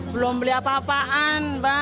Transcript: belum beli apa apaan mbak